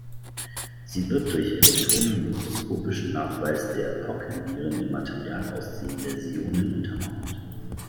Sie wird durch elektronenmikroskopischen Nachweis der Pockenviren in Material aus den Läsionen untermauert.